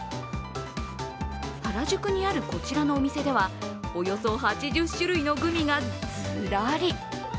原宿にあるこちらのお店ではおよそ８０種類のグミがずらり。